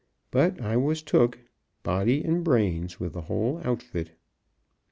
But I was "took," body and bra'in's, with the whole outfit.